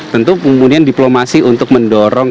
tentu kemudian diplomasi untuk mendorong